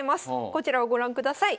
こちらをご覧ください。